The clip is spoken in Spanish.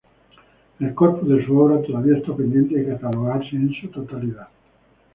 El corpus de su obra todavía está pendiente de catalogarse en su totalidad.